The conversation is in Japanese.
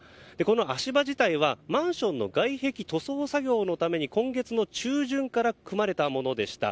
足場自体はマンションの外壁塗装作業のため今月の中旬から組まれたものでした。